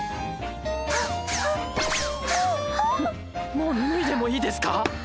ももう脱いでもいいですか？